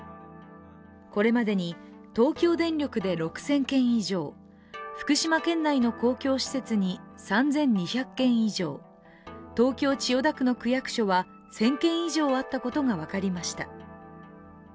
これまでに東京電力で６０００件以上福島県内の公共施設に３２００件以上東京・千代田区の区役所は１０００件以上あったことが分かりました。